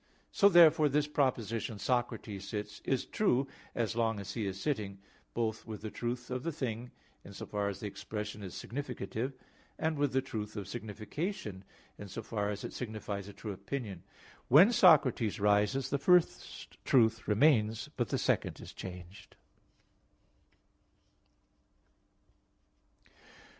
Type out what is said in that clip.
So therefore this proposition, "Socrates sits," is true, as long as he is sitting, both with the truth of the thing, in so far as the expression is significative, and with the truth of signification, in so far as it signifies a true opinion. When Socrates rises, the first truth remains, but the second is changed.